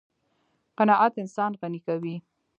قناعت انسان غني کوي.